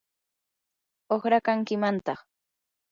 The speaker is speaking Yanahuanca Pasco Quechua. uqrakankimantaq.